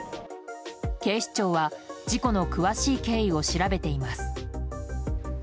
警視庁は事故の詳しい経緯を調べています。